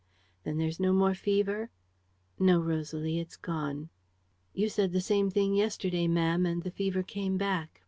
"'Then there's no more fever?' "'No, Rosalie, it's gone.' "'You said the same thing yesterday, ma'am, and the fever came back